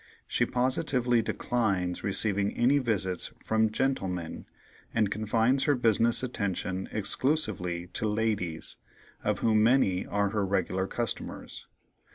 She positively declines receiving any visits from "gentlemen," and confines her business attention exclusively to "ladies," of whom many are her regular customers.